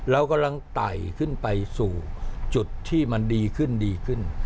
เรากำลังไต่ขึ้นไปสู่จุดที่มันดีขึ้นดีขึ้น